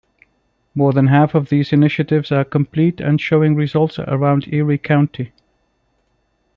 More than half of these Initiatives are complete and showing results around Erie County.